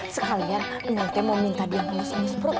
sekalian nanti mau minta dia mau nge sumis pro